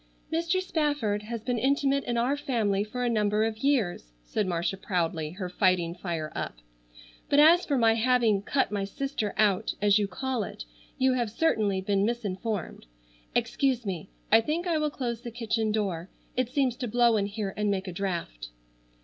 "Mr. Spafford has been intimate in our family for a number of years," said Marcia proudly, her fighting fire up, "but as for my having 'cut my sister out' as you call it, you have certainly been misinformed. Excuse me, I think I will close the kitchen door. It seems to blow in here and make a draft."